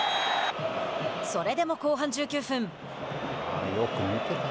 それでも後半１９分。